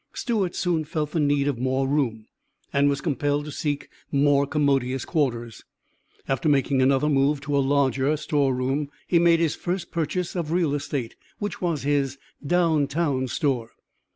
Stewart soon felt the need of more room, and was compelled to seek more commodious quarters. After making another move to a larger store room he made his first purchase of real estate, which was his "down town" store.